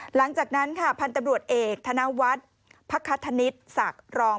หลังจากนั้นพันธุ์ตำรวจเอกธนวัตรภักษฐนิสศักดิ์รองค์